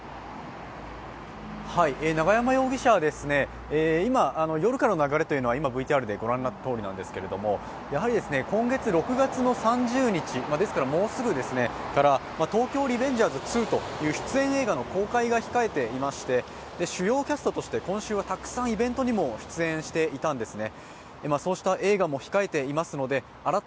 永山容疑者は、夜からの流れは今、ＶＴＲでご覧になったとおりなんですけど、今月６月３０日、ですから、もうすぐ「東京リベンジャーズ２」という出演映画の公開が控えていまして主要キャストとして今週はたくさんイベントにも出演していたんですね。